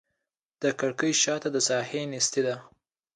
د کړکۍ شاته د ساه نیستي ده